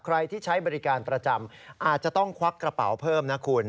ใครที่ใช้บริการประจำอาจจะต้องควักกระเป๋าเพิ่มนะคุณ